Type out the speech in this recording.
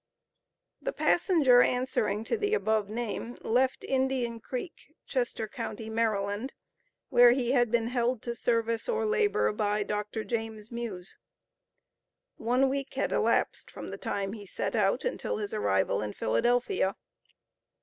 The passenger answering to the above name, left Indian Creek, Chester Co., Md., where he had been held to service or labor, by Dr. James Muse. One week had elapsed from the time he set out until his arrival in Philadelphia.